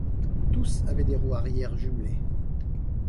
Tous avaient des roues arrière jumelées.